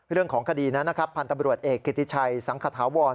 เรื่องของคดีนั้นนะครับพันธ์ตำรวจเอกกิติชัยสังขถาวร